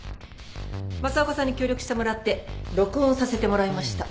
政岡さんに協力してもらって録音させてもらいました。